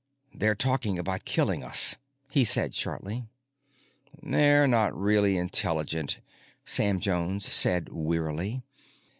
"They're talking about killing us," he said shortly. "They are not really intelligent," Sam Jones said wearily.